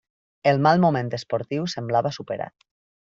El mal moment esportiu semblava superat.